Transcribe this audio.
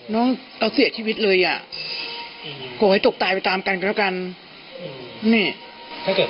น้องเสียชีวิตเลยอ่ะโหให้ตกตายไปตามกันกันกันนี่ถ้าเกิด